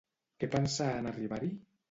Què pensà en arribar-hi?